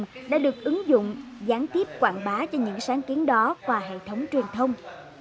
các giải thưởng đã được ứng dụng gián tiếp quảng bá cho những sáng kiến đó qua hệ thống truyền thông